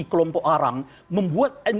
kelompok orang membuat